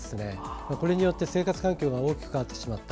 これによって生活環境が大きく変わってしまった。